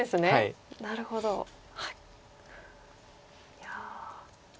いや。